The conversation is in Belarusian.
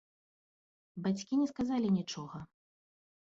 Бацькі не сказалі нічога.